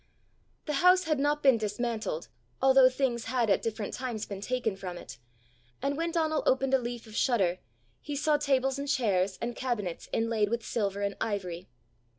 The house had not been dismantled, although things had at different times been taken from it, and when Donal opened a leaf of shutter, he saw tables and chairs and cabinets inlaid with silver and ivory.